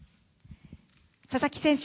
佐々木選手